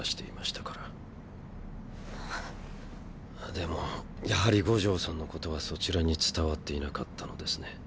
でもやはり五条さんのことはそちらに伝わっていなかったのですね。